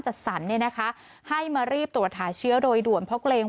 จัดสรรเนี่ยนะคะให้มารีบตรวจหาเชื้อโดยด่วนเพราะเกรง